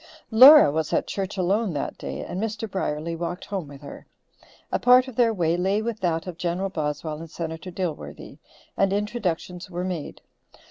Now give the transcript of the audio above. Laura was at church alone that day, and Mr. Brierly walked home with her. A part of their way lay with that of General Boswell and Senator Dilworthy, and introductions were made.